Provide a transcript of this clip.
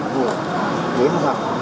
của đế học học